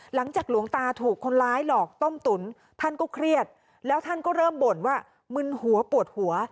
หลังจากหลวงตาถูกคนร้ายหลอกต้มตุ๋นท่านก็เครียดแล้วท่านก็เริ่มบ่นว่ามึนหัวปวดหัว